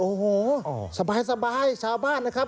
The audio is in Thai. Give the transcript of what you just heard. โอ้โหสบายชาวบ้านนะครับ